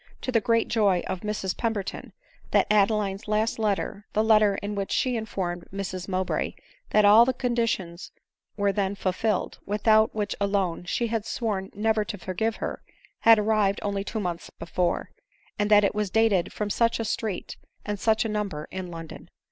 303 to the great joy of Mrs Pemberton, that Adeline's last letter, the letter in which she informed Mrs Mowbray that all the conditions were then fulfilled, without which alone she had sworn never to forgive her, had arrived only two months before ; and that it was dated from such a street, and such a number, in London.